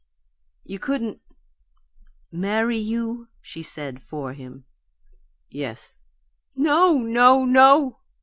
"You couldn't " "Marry you?" she said for him. "Yes." "No, no, no!"